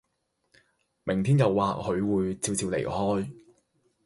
明天或許又會俏俏離開